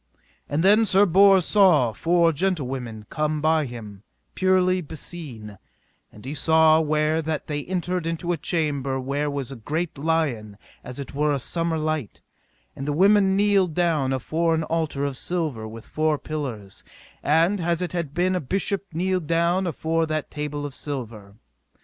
And then Sir Bors saw four gentlewomen come by him, purely beseen: and he saw where that they entered into a chamber where was great light as it were a summer light; and the women kneeled down afore an altar of silver with four pillars, and as it had been a bishop kneeled down afore that table of silver.